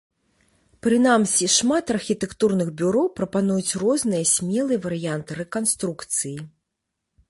Прынамсі, шмат архітэктурных бюро прапануюць розныя смелыя варыянты рэканструкцыі.